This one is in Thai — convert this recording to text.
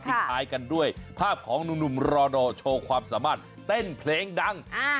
ท้ายกันด้วยภาพของหนุ่มรอดอโชว์ความสามารถเต้นเพลงดัง